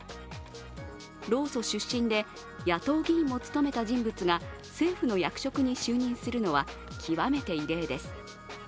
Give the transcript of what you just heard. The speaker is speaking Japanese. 労組出身で野党議員も務めた人物が政府の役職に就任するのは極めて異例です。